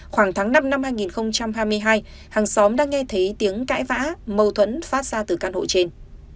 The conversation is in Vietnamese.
khoảng tháng năm năm hai nghìn hai mươi hai hàng xóm đã nghe thấy tiếng cãi vã mâu thuẫn phát ra từ căn hộ trên